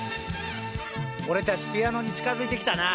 俺たちピアノに近づいてきたな！